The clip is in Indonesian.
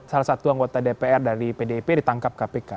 salah satu anggota dpr dari pdip ditangkap kpk